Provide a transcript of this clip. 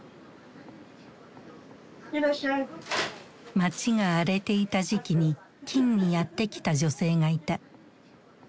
街が荒れていた時期に金武にやって来た女性がいた。